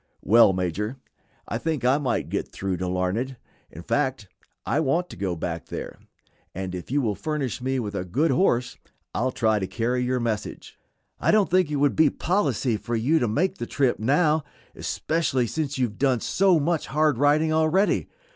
"Well, Major, I think I might get through to Larned; in fact I want to go back there, and if you will furnish me with a good horse I'll try to carry your message." "I don't think it would be policy for you to make the trip now, especially since you have done so much hard riding already.